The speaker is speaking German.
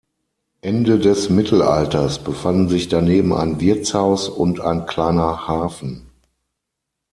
Ende des Mittelalters befanden sich daneben ein Wirtshaus und ein kleiner Hafen.